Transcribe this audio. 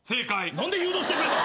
何で誘導してくれた？